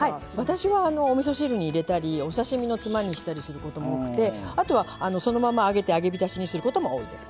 私はおみそ汁に入れたりお刺身のつまにしたりすることも多くてあとはそのまま揚げて揚げびたしにすることも多いです。